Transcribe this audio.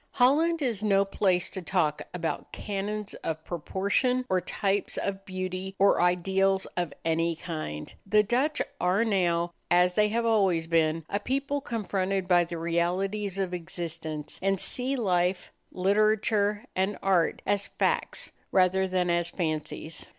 Holland is no place to talk about canons of proportion or types of beauty or ideals of any kind. The Dutch are now, as they have always been, a people confronted by the realities of existence, and see life, literature, and art as facts rather than as fancies.